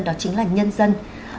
đó chính là nhân dân